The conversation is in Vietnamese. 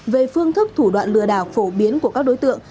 về phương thức thủ đoạn lừa đảo phổ biến của các đối tượng